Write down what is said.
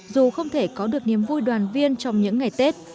dù không thể có được niềm vui đoàn viên trong những ngày tết